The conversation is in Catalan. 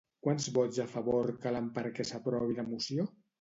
Quants vots a favor calen perquè s'aprovi la moció?